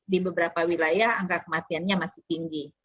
di beberapa wilayah angka kematiannya masih tinggi